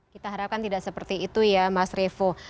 kita harapkan tidak seperti itu ya mas revo